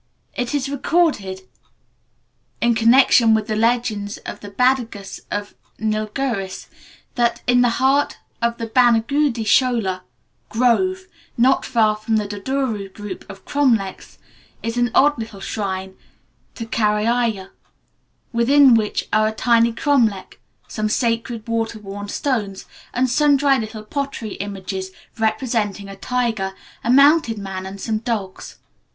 It is recorded, in connection with the legends of the Badagas of the Nilgiris, that "in the heart of the Banagudi shola (grove), not far from the Dodduru group of cromlechs, is an odd little shrine to Karairaya, within which are a tiny cromlech, some sacred water worn stones, and sundry little pottery images representing a tiger, a mounted man, and some dogs.